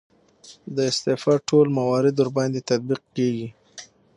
د استعفا ټول موارد ورباندې تطبیق کیږي.